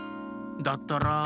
だったら。